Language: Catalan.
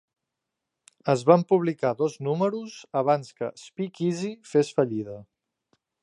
Es van publicar dos números abans que Speakeasy fes fallida.